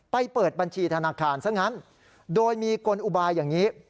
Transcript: เปิดบัญชีธนาคารซะงั้นโดยมีกลอุบายอย่างนี้